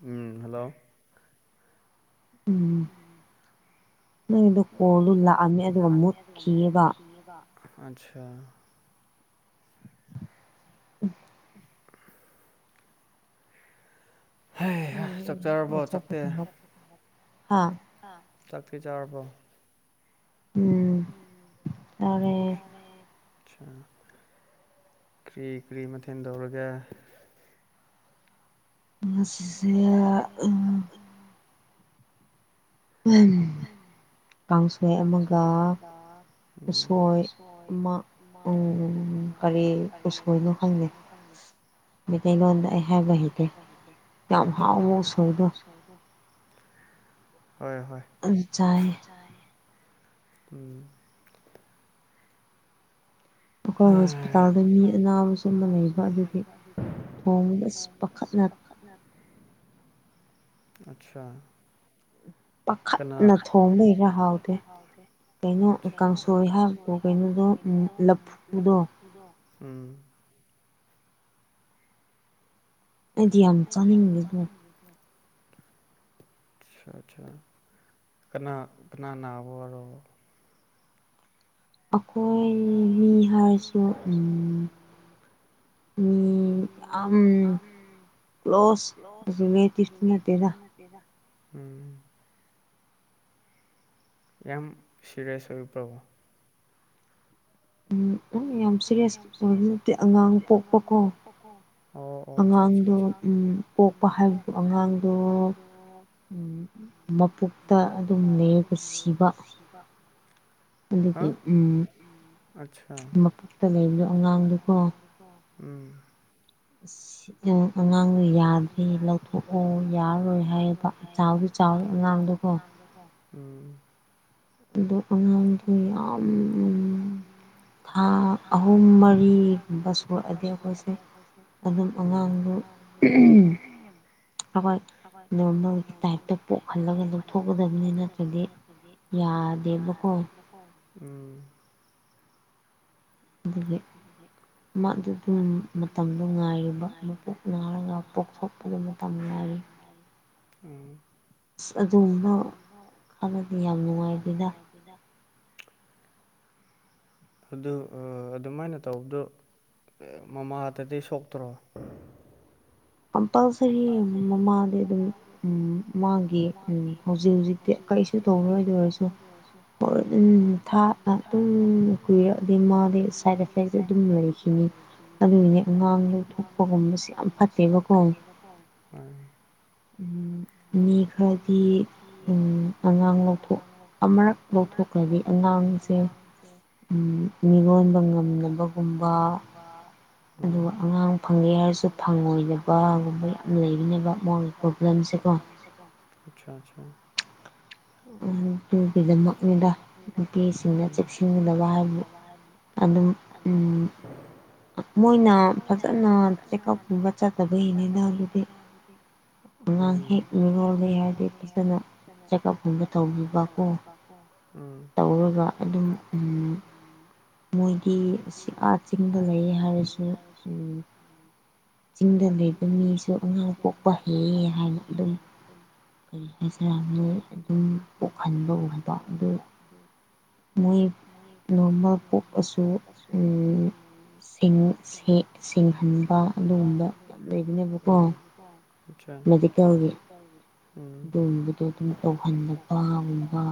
ꯎꯝ hello ꯎꯝ ꯅꯪꯗ ꯀꯣꯗꯨ ꯂꯥꯛꯑꯝꯃꯦ ꯑꯗꯨꯒ ꯃꯨꯠꯈꯤꯑꯕ ꯑꯆꯥ [inaudible] ꯍ ꯆꯠꯆꯔꯕꯣ ꯆꯠꯇꯦ ꯆꯥꯛꯄꯤ ꯆꯥꯔꯕꯣ ꯎꯝ ꯇꯥꯔꯦ ꯑ ꯀꯔꯤ ꯀꯔꯤ ꯃꯊꯦꯡ ꯇꯧꯔꯒ ꯉꯁꯤꯁ ꯎ ꯀꯥꯎꯁ ꯀꯥꯡꯁꯣꯏ ꯑꯃꯒ ꯑꯁꯣꯏ ꯎ ꯑꯔꯤ ꯀꯁꯃꯅ ꯐꯪꯦ ꯃꯩꯇꯩꯂꯣꯟꯗ ꯑꯩ ꯍꯥꯏꯕ ꯍꯗꯦꯥꯎ ꯁꯣꯏꯗꯣ [inaudible] ꯍꯣꯏ ꯍꯣꯏ ꯎꯝ ꯑꯩꯈꯣꯏ ꯍꯣꯁꯄꯤꯇꯥꯜꯗ ꯃꯤ ꯑꯅꯥꯕ ꯁ ꯑꯃ ꯂꯩꯕ ꯑꯗꯨꯒꯤ ꯊꯣꯡꯕ ꯄꯥꯈꯠꯂ ꯎ ꯑꯆꯥ ꯀꯅꯥ ꯊꯣꯡꯒ ꯍꯥꯎꯁꯦ ꯀꯥꯡꯄ ꯎꯗꯣ ꯑꯗꯤ ꯌꯥꯝ ꯆꯅꯤꯡ ꯂꯩ ꯑꯗꯨ [inaudible] ꯑ ꯑꯆꯥ ꯀꯅꯥ ꯀꯅꯥ ꯅꯅꯥꯕꯣꯔꯣ ꯑꯩꯈꯣꯏ ꯃꯤ ꯍꯥꯏꯔꯁꯨ ꯎꯝ ꯑꯝ ꯀ꯭ꯂꯣꯁ ꯔꯤꯂꯦꯇꯤꯚ ꯅꯠꯇꯦꯔ ꯎꯝ ꯌꯥꯝ ꯁꯤꯦꯔꯤꯌꯥꯁ ꯑꯣꯏꯌ ꯄ꯭ꯔꯕꯣ ꯎꯝ ꯑ ꯌꯥꯝ ꯁꯤꯦꯔꯤꯌꯁ ꯑꯗꯨ ꯅꯠꯇꯗꯤ ꯑꯉꯥꯡ ꯄꯣꯛꯄꯀꯣ ꯑꯣ ꯑ ꯑ ꯑꯉꯥꯡ ꯎ ꯑꯉꯥꯡ ꯃꯄꯇ ꯑꯗꯨꯝ ꯂꯩꯔꯒ ꯁꯤꯕ ꯍꯥ ꯑ ꯃꯀꯛꯇ ꯂꯩꯕꯗꯣ ꯑꯉꯥꯡꯗꯨꯀꯣ ꯎꯝ ꯑꯉꯥꯡꯗꯣ ꯌꯥꯗꯦ ꯂꯧꯊꯣꯛꯑꯣ ꯌꯥꯔꯔꯣꯏ ꯍꯥꯏꯌꯦꯕ ꯆꯥꯎꯗꯤ ꯆꯥꯎꯋꯦ ꯑꯉꯥꯡꯗꯣ ꯎꯝ ꯑꯗꯣ ꯑꯉꯒꯤ ꯌꯥꯝ ꯊꯥ ꯑꯍꯨꯝ ꯃꯔꯤꯒꯨꯝꯕ ꯁꯨꯔꯑꯗꯤ ꯑꯩꯈꯣꯏꯁꯦ ꯑꯗꯨꯝ ꯑꯉꯥꯡꯗꯨ ꯎꯝ ꯑꯩꯈꯣꯏ ꯅꯣꯔꯃꯦꯜꯒꯤ ꯇꯥꯏꯞꯇ ꯄꯣꯛꯍꯜꯂꯒ ꯂꯧꯊꯣꯛꯀꯗꯕꯅꯤ ꯅꯠꯇ꯭ꯔꯗꯤ ꯌꯥꯠ ꯌꯥꯕꯣ ꯎꯝ ꯑꯗꯒꯤ ꯃꯥ ꯑꯗꯨ ꯑꯗꯨꯝ ꯃꯇꯝꯗꯨꯣ ꯉꯥꯏꯔꯤꯕ ꯃꯄꯣꯛ ꯉꯅꯥꯔꯒ ꯄꯣꯛꯊꯣꯛꯄꯗ ꯃꯇꯝ ꯉꯥꯏ ꯎꯝ ꯑꯁ ꯑꯗꯨꯒꯨꯝꯕ ꯈꯥꯟꯅꯗꯤ ꯌꯥꯝ ꯅꯨꯡꯉꯥꯏꯗꯗ ꯑꯗꯨ ꯑꯗꯨꯃꯥꯏꯅ ꯇꯧꯕꯗꯣ [inaudible] ꯃꯃꯥꯗꯗꯤ ꯁꯣꯛꯇ꯭ꯔꯣ ꯀꯝꯄꯜꯁꯔꯤ ꯃꯃꯥꯗꯤ ꯑꯗꯨꯝ ꯎꯝ ꯃꯥꯡꯒꯤ ꯎꯝ ꯍꯧꯖꯤꯛ ꯍꯧꯖꯤꯛꯇꯤ ꯀꯁꯨ ꯇꯧꯗꯣꯏꯗ ꯑꯣꯏꯔꯁꯨ ꯍꯣꯔ ꯊꯥꯅ ꯑꯗꯨꯝ ꯀꯨꯏꯔꯛ ꯑꯗꯩ ꯃꯥꯗꯤ ꯁꯥꯏꯠ ꯏꯐꯦꯛꯇꯤ ꯑꯗꯨꯝ ꯂꯩꯈꯤꯅꯤ ꯑꯗꯨꯅꯦ ꯑꯉꯥꯡ ꯂꯧ ꯊꯣꯛꯣꯛꯄꯒꯨꯝꯕꯁꯦ ꯌꯥꯝ ꯐꯠꯇꯦꯕꯀꯣ [unintelligible] ꯑ ꯎꯝ ꯃꯤ ꯈꯔꯗꯤ ꯑꯉꯥꯡ ꯂꯧꯊꯣꯛ ꯑꯃꯔꯛ ꯂꯧꯊꯣꯛꯂꯕꯤ ꯑꯉꯥꯡ ꯍꯥꯏꯗꯤ ꯑꯪꯥꯡꯁꯤꯡ ꯃꯤꯔꯣꯟꯕ ꯉꯝꯗꯕꯒꯨꯝꯕ ꯑꯗꯨꯒ ꯑꯉꯥꯡ ꯐꯪꯒꯦ ꯍꯥꯏꯔꯁꯨ ꯐꯪꯉꯣꯏꯗꯕ [unintelligible] [unintelligible] ꯑꯗꯨꯒꯤꯗꯃꯛꯅꯤꯗ ꯅꯨꯄꯤꯁꯤꯡꯅ ꯆꯦꯛꯁꯤꯟꯒꯗꯕ ꯍꯥꯏꯕ ꯑꯗꯨꯝ ꯎꯝ ꯃꯣꯏꯅ ꯐꯖꯅ ꯆꯦꯛꯑꯞꯀꯨꯝꯕ ꯆꯠꯇꯕꯒꯤꯅꯦꯗ ꯑꯗꯨꯗꯤ ꯎꯝ ꯀꯥꯎ ꯐꯒ ꯊꯕ ꯨꯝꯕ ꯇꯧꯕꯤꯕꯀꯣ ꯇꯧꯔꯒ ꯑꯗꯨꯝ ꯌꯦꯟꯅ ꯃꯣꯏꯒꯤ ꯑꯥꯔꯠꯁꯤꯡꯤꯡꯗ ꯂꯩ ꯍꯥꯏꯔꯁꯨ ꯆꯤꯡꯗ ꯂꯩꯕ ꯃꯤꯁꯨ ꯑꯉꯥꯡ ꯄꯣꯛꯄ ꯍꯦꯛ ꯍꯥꯏꯅ ꯑꯗꯨꯝ ꯀꯔꯤ ꯍꯥꯏꯁꯔꯅꯦ ꯑꯗꯨꯝ ꯄꯣꯛꯍꯟꯕꯒꯨꯝꯕ ꯑꯗꯨ ꯃꯤ ꯅꯣꯔꯃꯦꯜ ꯄꯣꯛꯑꯁꯨ ꯁꯤꯡꯍꯟꯕ ꯎ [unintelligible] ꯑꯗꯨꯒꯣꯡꯕꯗꯣ ꯑꯗꯨꯝ ꯇꯧꯍꯟꯂ ꯋꯥꯒꯨꯝꯕ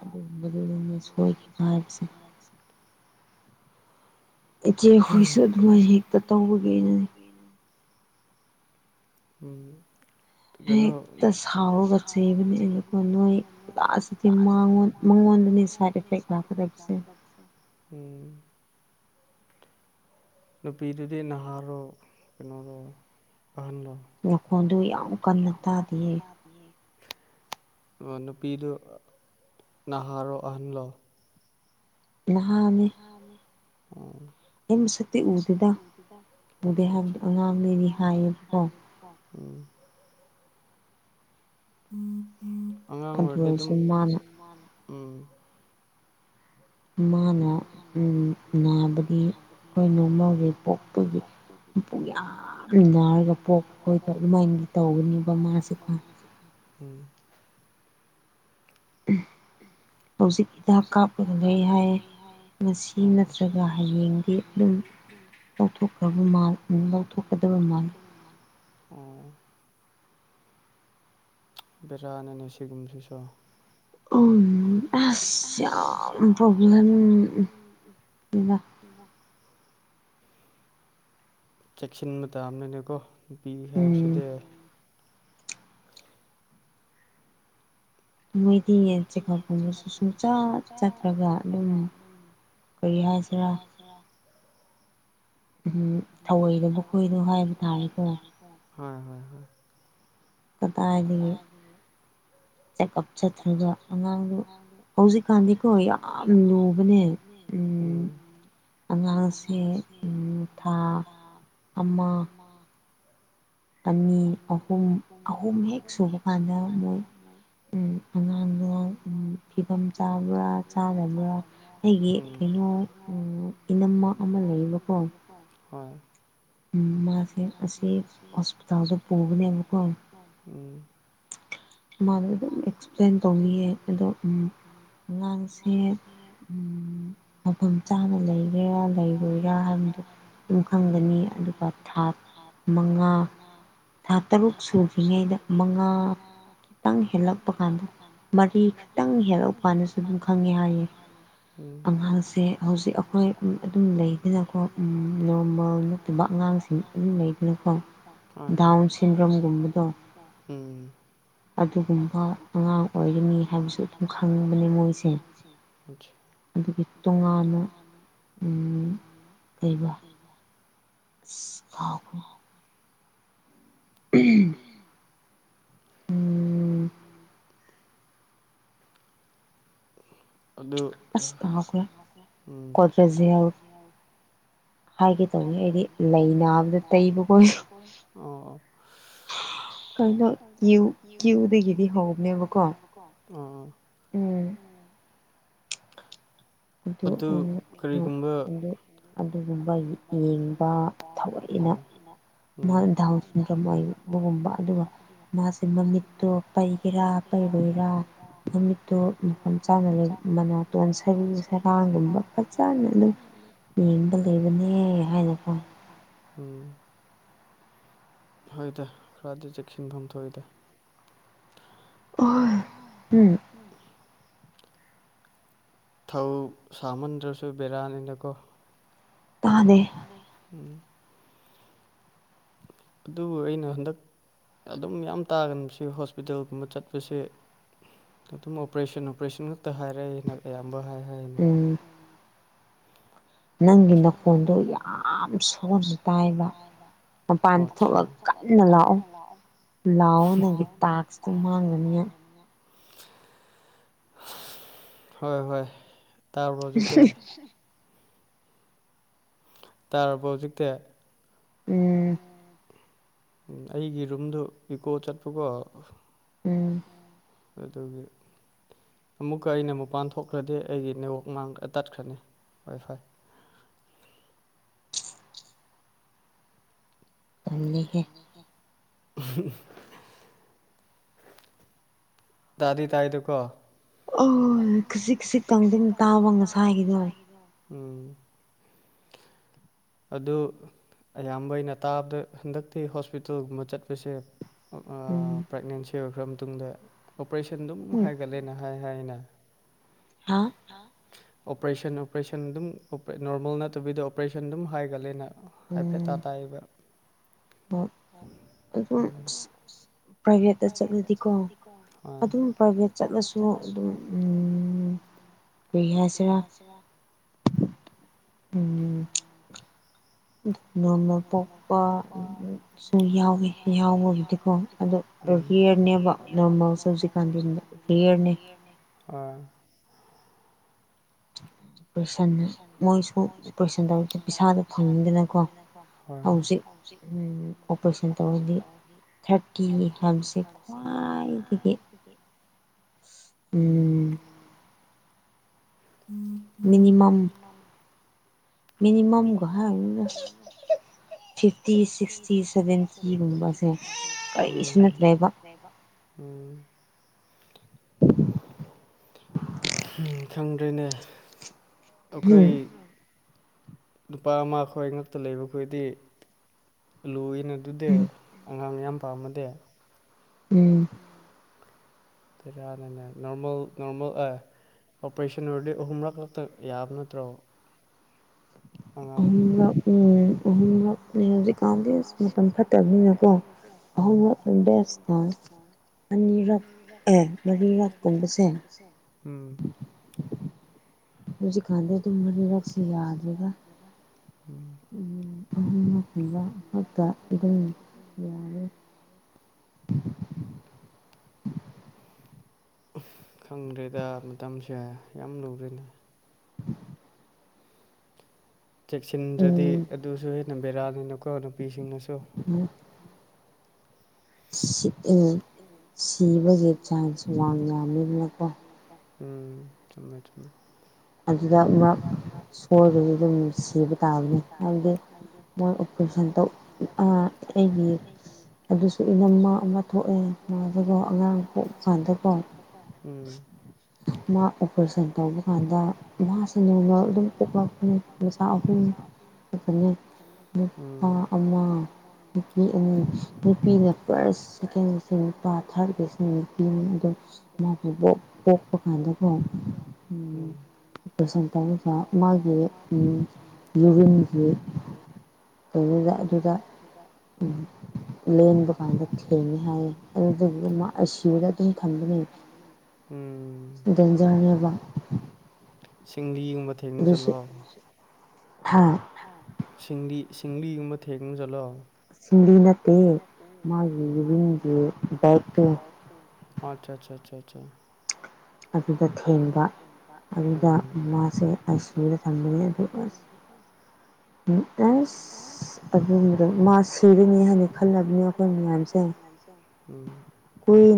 ꯑꯗꯨꯒꯨꯝꯕꯗꯨꯗꯅ ꯁꯣꯏꯈꯤꯕ ꯍꯥꯏꯕꯁꯦ ꯏꯆꯦ ꯍꯨꯣꯏꯁꯨ ꯑꯗꯨꯃꯥꯏꯅ ꯍꯦꯛꯇ ꯇꯧꯕꯒꯤꯩꯅ ꯎꯝ ꯀꯩꯅꯣ [unintelligible] [unintelligible] ꯅꯨꯄꯤꯗꯨꯗꯤ ꯅꯍꯥꯔꯣ ꯀꯩꯅꯣꯗꯣ ꯑꯍꯜꯂꯣ ꯃꯈꯣꯟꯗ ꯌꯥꯝ ꯀꯟꯅ ꯇꯥꯗꯌꯦ ꯅꯨꯄꯤꯗꯨ ꯅꯍꯥꯔꯣ ꯑꯍꯜꯂꯣ ꯅꯍꯥꯟꯅꯦ ꯎꯝ ꯑꯉꯥꯡ ꯍꯥꯏ [inaudible] ꯎꯝ ꯑꯉꯥꯡ ꯑꯣꯏꯔꯗꯤ ꯑꯗꯨꯝ ꯎꯝ ꯃꯥꯅ ꯅꯥꯕꯗꯤ ꯑꯩꯈꯣꯏ ꯅꯣꯡꯃꯒꯤꯦ ꯄꯣꯛꯄꯒꯤ ꯃꯄꯨ ꯌꯥꯝ ꯂꯨꯟꯅꯔꯒ ꯄꯣꯛꯄ ꯈꯣꯏꯕ ꯑꯗꯨꯃꯥꯏꯅꯗꯤ ꯇꯧꯒꯅꯦꯕ ꯃꯥꯁꯦꯀꯣ ꯎꯝ ꯎꯝ ꯍꯧꯖꯤꯛ ꯍꯤꯗꯥꯛ ꯀꯥꯞꯂꯒ ꯂꯩ ꯍꯥꯏ ꯉꯁꯤ ꯅꯠꯇ꯭ꯔꯒ ꯍꯌꯦꯡꯗꯤ ꯑꯗꯨꯝ ꯂꯧꯊꯣꯛꯈ꯭ꯔꯕ ꯃꯥ ꯂꯧꯊꯣꯛꯀꯗꯕ ꯃꯥꯜꯂꯦ ꯑꯣ ꯕꯦꯔꯥꯅꯅꯦ ꯁꯤꯒꯨꯝꯕꯁꯤꯁꯨ ꯎꯝ ꯑꯁ ꯌꯥꯝ ꯄ꯭ꯔꯣꯕ꯭ꯂꯝ ꯏ ꯆꯦꯛꯁꯤꯟꯕ ꯇꯥꯕꯅꯅꯦꯀꯣ ꯅꯨꯄꯤ ꯍꯥꯏꯕꯁꯤꯗꯤ ꯃꯣꯏꯗꯤ ꯆꯦꯛꯑꯞꯀꯨꯝꯕꯁꯨ ꯁꯨꯡꯆꯠ ꯆꯠꯇ꯭ꯔꯒ ꯑꯗꯨꯝ ꯀꯔꯤ ꯍꯥꯏꯁꯤꯔ ꯎꯝ ꯊꯧꯑꯣꯏꯗꯕ ꯀꯣꯏꯗꯣ ꯍꯥꯏꯕ ꯇꯥꯔꯦꯀꯣ ꯍꯣꯏ ꯍꯣꯏ ꯍꯣꯏ ꯀꯗꯥꯦ ꯆꯦꯛꯑꯞ ꯆꯠꯇ꯭ꯔꯒ ꯑꯉꯥꯡꯗꯣ ꯍꯧꯖꯤꯛꯀꯥꯟꯗꯤꯀꯣ ꯌꯥꯝ ꯂꯨꯕꯅꯦ ꯎꯝ ꯑꯉꯥꯡꯁꯦ ꯊꯥ ꯑꯃ ꯑꯅꯤ ꯑꯍꯨꯝ ꯑꯍꯨꯝ ꯍꯦꯛ ꯁꯨꯕ ꯀꯥꯟꯗ ꯃꯣꯏ ꯑꯉꯥꯡꯗꯣ ꯐꯤꯕꯝ ꯆꯥꯕ꯭ꯔꯥ ꯆꯥꯗꯕ꯭ꯔꯥ ꯑꯩꯒꯤ ꯀꯩꯅꯣ ꯉ ꯏꯅꯝꯕ ꯑꯃ ꯂꯩꯀꯣ ꯎꯝ ꯃꯥ ꯐ ꯑꯁꯤꯁ ꯍꯁꯄꯤꯇꯥꯜ ꯇ ꯄꯨꯒꯅꯦꯕꯀꯣ ꯃꯥꯗ ꯑꯗꯨꯝ ꯑꯦꯛꯁꯄ꯭ꯂꯦꯟ ꯇꯧꯅꯤꯡꯌꯦ ꯑꯗꯣ ꯎꯝ ꯑꯉꯥꯡꯁꯦ ꯃꯐꯝ ꯆꯥꯅ ꯂꯩꯒꯦꯔꯥ ꯂꯩꯔꯣꯏꯔꯥ ꯍꯥꯏꯕꯗꯣ ꯌꯨꯝꯈꯪꯒꯅꯤ ꯑꯗꯨꯒ ꯊꯥ ꯃꯉꯥ ꯊꯥ ꯇꯔꯨꯛ ꯁꯨ꯭ꯔꯤꯉꯩꯗ ꯃꯉꯥ ꯈꯤꯇꯪ ꯍꯦꯜꯂꯛꯄ ꯀꯥꯟꯗ ꯃꯔꯤ ꯈꯤꯇꯪ ꯍꯦꯜꯂꯛꯎ ꯀꯥꯟꯗꯁꯨ ꯑꯗꯨꯝ ꯈꯪꯉꯦ ꯍꯥꯏꯌꯦ ꯑꯉꯥꯡꯁꯦ ꯍꯧꯖꯤꯛ ꯑꯩꯈꯣꯏ ꯑꯗꯨꯝ ꯂꯩꯗꯅꯀꯣ ꯅꯣꯔꯃꯦꯜ ꯅꯠꯇꯕ ꯑꯉꯥꯡ ꯉꯁꯤꯡ ꯎꯕ ꯏꯗꯨꯅꯀꯣ ꯎꯝ ꯑꯗꯨꯒꯨꯝꯕ ꯑꯉꯥꯡ ꯑꯣꯏꯒꯅꯤ ꯍꯥꯏꯕꯁꯨ ꯑꯗꯨꯝ ꯈꯪꯅꯤꯡꯕꯅꯤ ꯃꯣꯏꯁꯦ ꯑꯗꯨꯒꯤ ꯇꯣꯉꯥꯟꯅ ꯂꯩꯕ ꯊꯥꯎꯈ ꯎꯝ ꯎꯝ ꯑꯗꯨ ꯎꯝ ꯍꯥꯏꯒꯦ ꯇꯧꯅꯤꯦ ꯑꯩꯗꯤ ꯂꯩ ꯅꯥꯕꯗ ꯇꯩꯕꯀꯣ ꯑꯣ ꯀꯩꯅ ꯀ꯭ꯨ ꯀ꯭ꯌꯨꯗꯗꯒꯤꯗꯤ ꯍꯅꯦꯕꯀꯣ ꯎꯝ ꯑꯗꯨꯗꯣ ꯎꯣ ꯑꯗꯨꯒꯨꯝꯕ ꯌꯦꯡꯕ ꯊꯑꯣꯛꯏꯅ ꯃꯥ ꯗꯥꯎꯟ ꯁꯟꯗ꯭ꯔꯝ ꯑꯣꯏꯕꯒꯨꯝꯕ ꯑꯗꯨꯒ ꯃꯥꯁꯦ ꯃꯃꯤꯠꯇꯣ ꯄꯩꯒꯦꯔꯥ ꯂꯩꯕꯣꯏꯔꯥ ꯅꯨꯃꯤꯠꯇꯣ ꯃꯐꯝ ꯆꯥꯅ ꯃꯅꯥꯇꯣꯟ ꯁꯔꯤ ꯆꯦꯔꯥꯡꯒꯨꯝꯕ ꯐꯖꯅ ꯑꯗꯨꯝ ꯌꯦꯡꯕ ꯂꯩꯕꯅꯦ ꯍꯥꯏꯅꯀꯣ ꯎꯝ ꯍꯣꯏꯗ ꯈꯔꯗꯤ ꯆꯦꯛꯁꯤꯟꯐꯝ ꯊꯣꯛꯏꯗ ꯎꯝ ꯊꯧ ꯁꯥꯃꯟꯗ꯭ꯔꯁꯨ ꯕꯦꯔꯥꯅꯤꯅꯀꯣ ꯇꯦ ꯎꯝ ꯑꯗꯨꯕꯨ ꯑꯩꯅ ꯍꯟꯗꯛ ꯑꯗꯨꯝ ꯌꯥꯝ ꯇꯥꯒꯅꯁ ꯍꯣꯁꯄꯤꯇꯥꯜꯒꯨꯝꯕ ꯆꯠꯄꯁꯦ ꯑꯗꯨꯝ ꯑꯣꯄꯔꯦꯁꯟ ꯑꯣꯄꯔꯦꯁꯟ ꯈꯛꯇ ꯍꯥꯏꯔꯛꯑꯦ ꯑꯌꯥꯝꯕ ꯍꯥꯏ ꯍꯥꯏ ꯑꯅ ꯅꯪꯒꯤ ꯅꯀꯣꯟꯗꯣ ꯌꯥꯝ ꯁꯣꯟꯅ ꯇꯥꯏꯕ ꯃꯄꯥꯟ ꯊꯣꯛꯑꯒ ꯀꯟꯅ ꯂꯥꯛꯑꯣ ꯂꯥꯛꯑꯣ ꯅꯪꯒꯤ ꯇꯥꯛꯁꯇꯣ ꯃꯥꯡꯉꯅꯤꯅ ꯍꯣꯏ ꯍꯣꯏ ꯇꯥꯔꯕꯖꯤꯀ ꯇꯥꯔꯕ ꯍꯧꯖꯤꯛꯇꯤ ꯎꯝ ꯑꯩꯒꯤ ꯔꯨꯝꯗ ꯏꯀꯣ ꯆꯠꯄꯀꯣ ꯎꯝ ꯑꯗꯨꯒ ꯑꯃꯨꯛꯀ ꯑꯩꯅ ꯃꯄꯥꯟ ꯊꯣꯛꯈ꯭ꯔꯗꯤꯦ ꯑꯩꯒꯤ ꯅꯦꯠꯋꯥꯛ ꯇꯠꯈ꯭ꯔꯅꯤ ꯋꯥꯏ ꯐꯥꯏ ꯇꯅꯤꯒꯦ ꯎ ꯇꯗꯥꯗꯤ ꯇꯥꯏꯗꯨꯀꯣ ꯑꯣ ꯈꯖꯤꯛ ꯈꯖꯤꯛꯇꯪ ꯑꯗꯨꯝ ꯇꯥꯕ ꯉꯁꯥꯏꯒꯤꯗꯣ ꯎꯝ ꯑꯗꯨ ꯑꯌꯥꯝꯕꯩꯅ ꯇꯥꯕꯗ ꯍꯟꯗꯛꯇꯤ ꯍꯣꯁꯄꯤꯇꯥꯜꯒꯨꯝꯕ ꯆꯠꯄꯁꯦ ꯄ꯭ꯔꯦꯒꯅꯦꯟꯁꯤ ꯑꯣꯏꯈ꯭ꯔ ꯃꯇꯨꯡꯗ ꯑꯣꯄꯔꯦꯁꯟ ꯑꯗꯨꯝ ꯍꯥꯏꯒꯠꯂꯦꯅ ꯍꯥꯏ ꯍꯥꯏꯅ ꯍꯥ ꯑꯣꯄꯔꯦꯁꯟ ꯑꯣꯄꯔꯦꯁꯟ ꯑꯗꯨꯝ ꯅꯣꯔꯃꯦꯜ ꯅꯠꯇꯕꯤꯗ ꯑꯣꯄꯔꯦꯁꯟ ꯑꯗꯨꯝ ꯍꯥꯏꯒꯠꯂꯦꯅ ꯍꯥꯏꯐꯦꯠ ꯑꯦ ꯇ ꯇꯥꯏꯕ ꯝ ꯄ꯭ꯔꯥꯏꯚꯦꯠ ꯄ꯭ꯔꯥꯏꯚꯦꯠꯇ ꯆꯠꯂꯗꯤꯀꯣ ꯑꯗꯨꯝ ꯄ꯭ꯔꯥꯏꯚꯦꯠ ꯆꯠꯂꯁꯨ ꯑꯗꯨꯝ ꯦꯔꯤꯍꯦꯁꯔ [inaudible] ꯎꯝ ꯅꯣꯔꯃꯦꯜ ꯄꯣꯛꯄꯁꯨ ꯌꯥꯎꯋꯤ ꯌꯥꯎꯕꯕꯨꯗꯤꯀꯣ ꯑꯗꯣ ꯅꯤ ꯁ ꯈ [inaudible] ꯃꯣꯏꯁꯨ ꯑꯣꯄꯔꯦꯁꯟ ꯇ ꯄꯩꯁꯥꯗ ꯐꯪꯉꯗꯅꯀꯣ ꯎꯝ ꯑꯣꯄꯔꯦꯁꯟ ꯇꯧꯕꯗꯤ ꯊꯥꯔꯇꯤ ꯍꯥꯏꯁꯦ ꯈ꯭ꯋꯥꯏꯗꯒꯤ [inaudible] ꯎꯝ ꯃꯤꯅꯤꯃꯝ ꯃꯤꯅꯤꯃꯝꯒꯍꯥ ꯐꯤꯐꯇꯤ ꯁꯤꯛꯁꯇꯤ ꯁꯚꯦꯟꯇꯤꯒꯨꯝꯕꯁꯦ ꯀꯔꯤꯁꯨ ꯅꯠꯇ꯭ꯔꯦꯕ ꯎꯝ ꯈꯪꯗ꯭ꯔꯦꯅꯦ ꯑꯩꯈꯣꯏ ꯅꯨꯄꯥ ꯑꯃ ꯑꯩꯈꯣꯏ ꯉꯛꯇ ꯂꯩꯕꯈꯣꯏꯗꯤ ꯑꯂꯨ ꯑꯩꯅ ꯑꯗꯨꯗꯤ ꯑꯉꯥꯡ ꯌꯥꯝ ꯄꯥꯝꯃꯗꯦ ꯎꯝ ꯇꯔꯅꯦ ꯅꯣꯔꯃꯜ ꯅꯣꯔꯃꯦꯜ ꯑ ꯑꯣꯄꯔꯦꯁꯟ ꯑꯣꯏꯔꯗꯤ ꯑꯍꯨꯝꯂꯛ ꯈꯛꯇ ꯌꯥꯕ ꯅꯠꯇ꯭ꯔꯣ ꯑꯍꯨꯝꯂꯛ ꯎꯝ ꯑꯍꯨꯝꯂꯛꯅꯦ ꯍꯧꯖꯤꯛꯀꯥꯟꯗꯤ ꯑꯁ ꯃꯇꯝ ꯐꯠꯇꯕꯅꯤꯅꯀꯣ ꯍ ꯏ ꯅꯤ ꯑꯦ ꯃ ꯀꯁꯦ ꯍꯧꯁꯤ ꯈꯥꯟꯗ ꯇꯨ ꯃ ꯔꯁꯤ ꯌꯥꯗꯒ ꯎꯝꯠꯇ ꯏ ꯌꯥꯕꯦ [inaudible] ꯈꯪꯗ꯭ꯔꯦꯗ ꯃꯇꯝꯁꯦ ꯌꯥꯝ ꯂꯨꯔꯦꯅꯦ [inaudible] ꯆꯦꯛꯁꯤꯟꯗ꯭ꯔꯗꯤ ꯑꯗꯨꯁꯨ ꯍꯦꯟꯅ ꯕꯦꯔꯥꯜꯅꯤꯅꯀꯣ ꯅꯨꯄꯤꯁꯤꯡꯅꯁꯨ ꯎꯝ ꯁꯤꯕꯒꯤ ꯆꯥꯟꯁ ꯋꯥꯡꯅꯃꯤꯕꯅꯀꯣ ꯎꯝ ꯆꯜꯅꯥ ꯆꯨꯝ ꯑꯗꯨꯗ ꯑꯃ ꯁꯣꯏꯕꯗꯤ ꯑꯗꯨꯝ ꯁꯤꯕ ꯇꯥꯕꯅꯤ ꯍꯥꯏꯕꯗꯤ ꯃꯣꯏ ꯑꯣꯄꯔꯦꯁꯟ ꯑꯩꯒꯤ ꯑꯗꯨꯁꯨ ꯏꯅ ꯃꯥ ꯑꯃ ꯊꯣꯛꯑꯕꯗ ꯑꯉꯥꯡ ꯁ ꯃꯥ ꯑꯣꯄꯔꯦꯁꯟ ꯇꯧꯕ ꯀꯥꯟꯗ ꯉꯁꯟ ꯅꯣꯡꯃ ꯑꯗꯨꯝ ꯄꯣꯛꯂꯄꯅꯤ ꯄꯩꯁꯥ ꯑꯍꯨꯝ ꯈꯛꯇꯅꯤ ꯏꯥ ꯅꯨꯄꯤ ꯑꯅꯤ ꯅꯨꯄꯤꯗ ꯐꯥꯔꯁ ꯁꯦꯀꯦꯟꯒꯤꯁ ꯅꯨꯄꯥ ꯊꯥꯔꯠꯀꯁꯅ ꯅꯨꯄꯤꯅꯤ ꯑꯗꯨꯣ ꯃꯥꯕꯨ ꯄꯣꯛꯄ ꯀꯥꯟꯗ [unintelligible] ꯑꯣꯄꯔꯦꯁꯟ ꯇꯧꯔꯤꯕ ꯃꯥꯒꯤ ꯌꯨꯔꯤꯟꯒꯤ ꯌꯗꯥꯛ ꯌꯗꯥꯛ ꯂꯦꯟ ꯂꯕ ꯀꯥꯟꯗ ꯍꯥꯏ ꯑꯁꯤꯗ ꯑꯗꯨꯝ ꯊꯝꯕꯅꯦ ꯁꯤꯗꯖꯅꯤꯕ ꯁꯤꯡꯂꯤꯒꯨꯝꯕ ꯊꯦꯡ ꯆꯠꯂꯣ ꯁꯤꯡꯂꯤ ꯁꯤꯡꯂꯤꯒꯨꯝꯕ ꯊꯦꯡꯅ ꯆꯠꯂꯣꯑꯣ ꯁꯤꯂꯤꯅꯠꯇ ꯃꯥꯒꯤꯦꯒ ꯑꯣ ꯑꯆꯥ ꯑꯆꯥ ꯑꯗꯨꯗ ꯊꯦꯡꯕ ꯑꯗꯨꯗ ꯃꯥꯁꯦ ꯑꯥꯏꯁ ꯀ꯭ꯨꯝꯗ ꯊꯝꯕꯅꯦ ꯑꯗꯨ ꯑꯁ ꯍ ꯎꯝ ꯑ ꯃꯥ ꯁꯣꯏꯔꯃꯤ ꯍꯥꯏꯅꯤ ꯈꯜ ꯑꯗꯨꯅꯤ ꯀꯝꯅꯤꯔ ꯆ ꯀꯏꯅꯤ